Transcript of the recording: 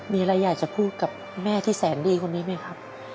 มีอะไรอยากจะพูดกับแม่ที่แสนดีคนนี้ไหมครับ